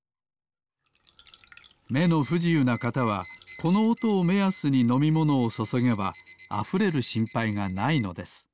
めのふじゆうなかたはこのおとをめやすにのみものをそそげばあふれるしんぱいがないのです。